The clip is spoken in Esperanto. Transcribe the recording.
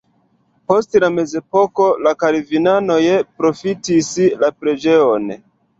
Post la mezepoko la kalvinanoj profitis la preĝejon.